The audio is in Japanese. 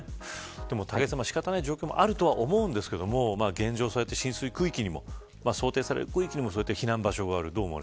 でも武井さん、仕方がない状況もあるとは思うんですが現状そうやって浸水区域にも想定される区域にも避難場所がある。